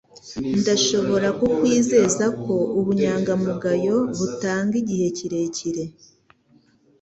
Ndashobora kukwizeza ko ubunyangamugayo butanga igihe kirekire.